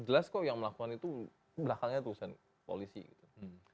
jelas kok yang melakukan itu belakangnya tulisan polisi gitu